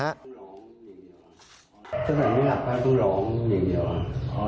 ถ้าไม่หลับก็ต้องร้องอย่างเดียว